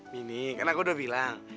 mini karena aku udah bilang